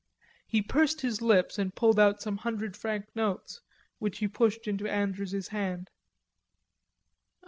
He pursed up his lips and pulled out some hundred franc notes, which he pushed into Andrews's hand.